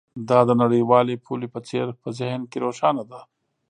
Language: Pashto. دا د نړیوالې پولې په څیر په ذهن کې روښانه ده